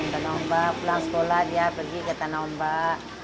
tanah ombak pulang sekolah dia pergi ke tanah ombak